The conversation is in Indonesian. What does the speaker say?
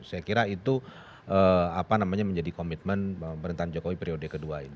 saya kira itu menjadi komitmen pemerintahan jokowi periode kedua ini